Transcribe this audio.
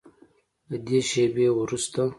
له دې شیبې وروسته